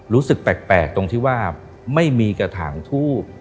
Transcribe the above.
รู้สึกแปลกตรงที่ว่าไม่มีกระถางทูบ